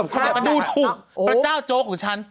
ไปดูถุงพระเจ้าโจ๊กของฉัน